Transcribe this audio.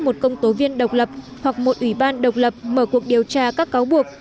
một công tố viên độc lập hoặc một ủy ban độc lập mở cuộc điều tra các cáo buộc